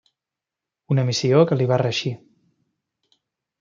Una missió que li va reeixir.